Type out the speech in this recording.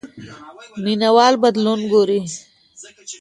مینه وال بدلون ګوري.